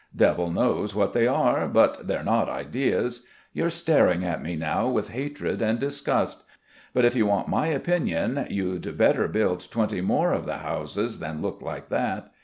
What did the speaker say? Devil knows what they are, but they're not ideas. You're staring at me now with hatred and disgust; but if you want my opinion you'd better build twenty more of the houses than look like that.